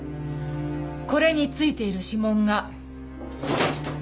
これに付いている指紋が。